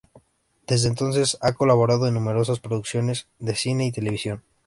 Desde entonces, ha colaborado en numerosas producciones de cine y televisión.